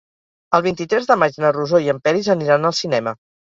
El vint-i-tres de maig na Rosó i en Peris aniran al cinema.